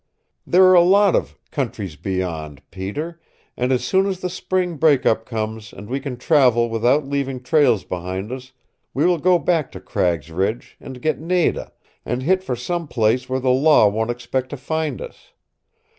There are a lot of 'Countries Beyond,' Peter, and as soon as the spring break up comes and we can travel without leaving trails behind us we will go back to Cragg's Ridge and get Nada, and hit for some place where the law won't expect to find us.